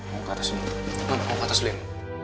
mau ke atas lim